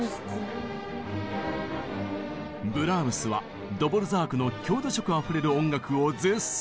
ブラームスはドボルザークの郷土色あふれる音楽を絶賛！